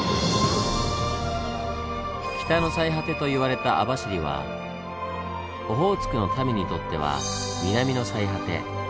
「北の最果て」と言われた網走はオホーツクの民にとっては「南の最果て」。